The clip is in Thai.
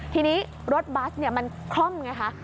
ทีนี้รถบัสมันคล่อมไงคะ